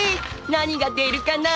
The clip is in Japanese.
「何が出るかな」